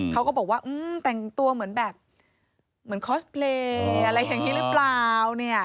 เขาก็บอกว่าแต่งตัวเหมือนแบบเหมือนคอสเพลย์อะไรอย่างนี้หรือเปล่าเนี่ย